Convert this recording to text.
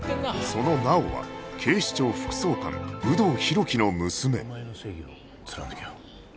その直央は警視庁副総監有働弘樹の娘お前の正義を貫けよ。